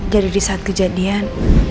jadi di saat kejadian